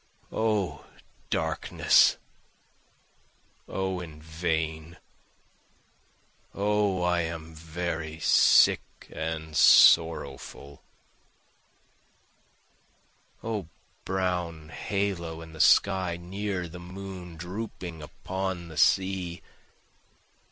O darkness! O in vain! O I am very sick and sorrowful O brown halo in the sky near the moon, drooping upon the sea!